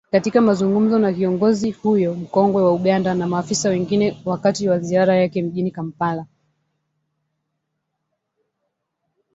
Katika mazungumzo na kiongozi huyo mkongwe wa Uganda na maafisa wengine wakati wa ziara yake mjini kampala